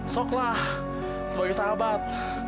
soklah sebagai sahabat